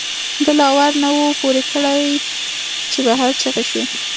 دَ لا ور نه وو پورې کړ، چې بهر چغې شوې